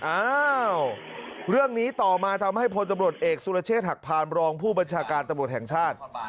อ้าวเรื่องนี้ต่อมาทำให้พลตำรวจเอกสุรเชษฐหักพานรองผู้บัญชาการตำรวจแห่งชาติ